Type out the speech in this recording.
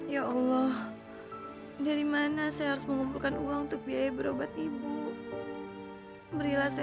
ya allah dari mana saya harus mengumpulkan uang untuk biaya berobat ibu berilah saya